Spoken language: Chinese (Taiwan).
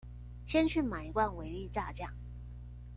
先去買一罐維力炸醬